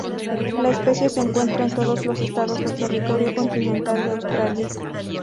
La especie se encuentra en todos los estados del territorio continental de Australia.